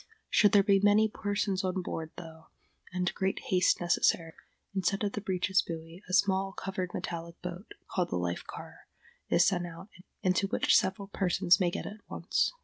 Should there be many persons on board, though, and great haste necessary, instead of the breeches buoy a small covered metallic boat, called the life car, is sent out, into which several persons may get at once.